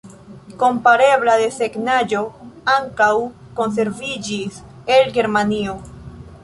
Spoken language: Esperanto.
Komparebla desegnaĵo ankaŭ konserviĝis el Germanio.